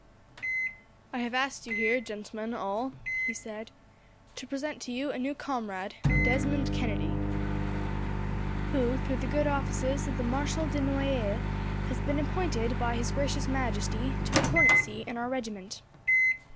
"I have asked you here, gentlemen all," he said, "to present to you a new comrade, Desmond Kennedy, who, through the good offices of the Marshal de Noailles, has been appointed, by His Gracious Majesty, to a cornetcy in our regiment.